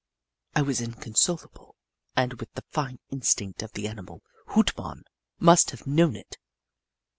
I was inconsolable, and with the fine instinct of the animal, Hoot Mon must have known it.